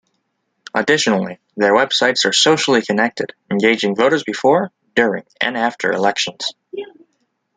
Additionally, their websites are socially connected, engaging voters before, during, and after elections.